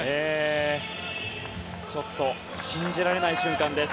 ちょっと信じられない瞬間です。